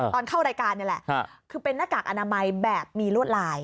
ตอนเข้ารายการนี่แหละคือเป็นหน้ากากอนามัยแบบมีลวดลาย